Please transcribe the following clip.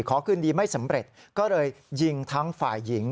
ขอคืนดีไม่สำเร็จก็เลยยิงทั้งฝ่ายหญิง